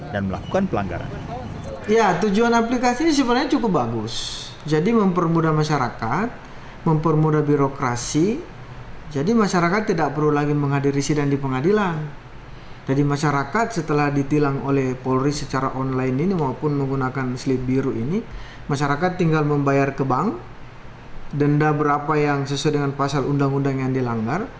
dan melakukan pelanggaran